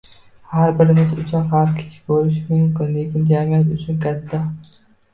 Har birimiz uchun xavf kichik bo'lishi mumkin, lekin jamiyat uchun katta